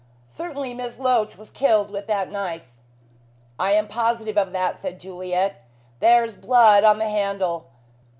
Certainly Miss Loach was killed with that knife." "I am positive of that," said Juliet. "There is blood on the handle.